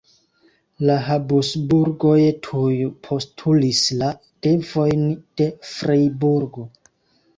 La Habsburgoj tuj postulis la devojn de Freiburg.